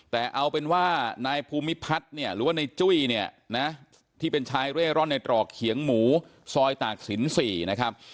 แต่เอาเป็นว่านายภูมิพัฒน์เนี่ยหรือว่าในจุ้ยเนี่ยนะที่เป็นชายเร่ร่อนในตรอกเขียงหมูซอยตากศิลป์๔นะครับ